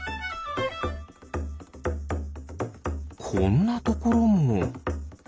こんなところも。